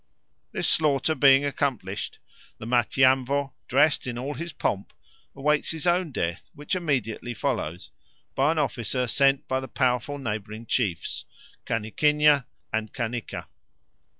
This slaughter being accomplished, the Matiamvo, dressed in all his pomp, awaits his own death, which immediately follows, by an officer sent by the powerful neighbouring chiefs, Caniquinha and Canica.